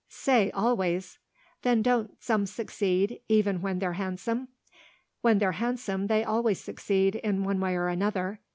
"Say always!" "Then don't some succeed even when they're handsome?" "When they're handsome they always succeed in one way or another."